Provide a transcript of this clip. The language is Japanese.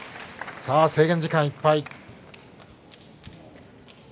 制限時間いっぱい。